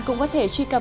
cũng có thể truy cập